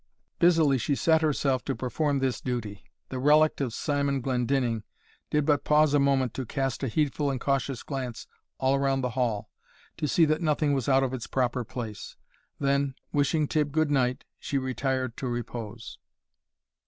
Busily she set herself to perform this duty. The relict of Simon Glendinning did but pause a moment to cast a heedful and cautious glance all around the hall, to see that nothing was out of its proper place; then, wishing Tibb good night, she retired to repose.